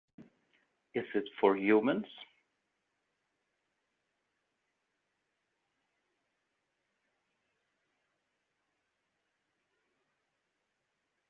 Is it for humans?